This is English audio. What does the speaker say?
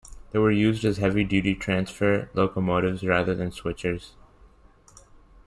They were used as heavy duty transfer locomotives rather than switchers.